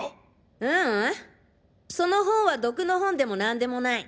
ううんその本は毒の本でも何でもない。